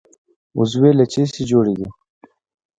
عضوې له څه شي جوړې دي؟